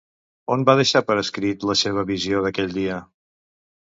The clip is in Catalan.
On va deixar per escrit la seva visió d'aquell dia?